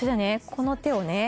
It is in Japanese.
この手をね